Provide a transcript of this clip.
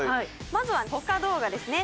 まずはほか動画ですね。